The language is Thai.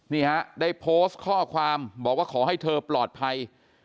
นี่ฮะได้โพสต์ข้อความบอกว่าขอให้เธอปลอดภัย